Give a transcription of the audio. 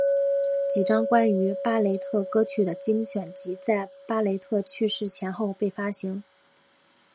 几张关于巴雷特歌曲的精选集在巴雷特去世前后被发行。